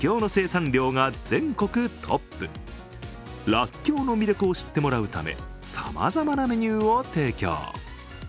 らっきょうの魅力を知ってもらうため、さまざまなメニューを提供。